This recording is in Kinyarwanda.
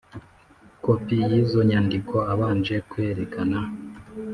kopi y izo nyandiko abanje kwerekana